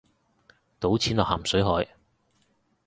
倒錢落咸水海